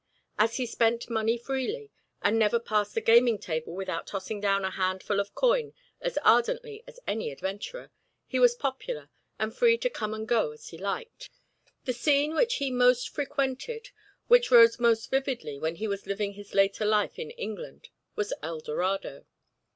As he spent money freely, and never passed a gaming table without tossing down a handful of coin as ardently as any adventurer, he was popular, and free to come and go as he liked. The scene which he most frequented, which rose most vividly when he was living his later life in England, was El Dorado.